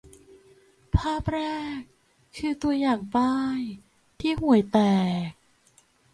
ภาพแรก คือตัวอย่างป้ายที่ห่วยแตก